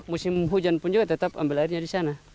musim hujan pun juga tetap ambil airnya di sana